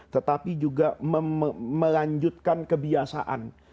tetapi juga melanjutkan kebiasaan